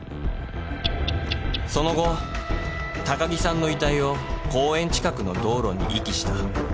その後高城さんの遺体を公園近くの道路に遺棄した。